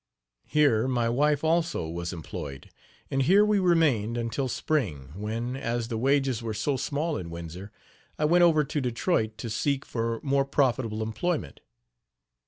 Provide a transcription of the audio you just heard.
Here my wife also was employed, and here we remained until spring; when, as the wages were so small in Windsor, I went over to Detroit to seek for more profitable employment.